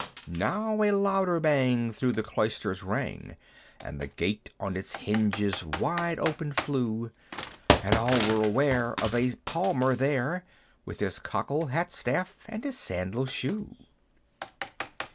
Now a louder bang through the cloisters rang, And the gate on its hinges wide open flew; And all were aware of a Palmer there, With his cockle, hat, staff, and his sandal shoe.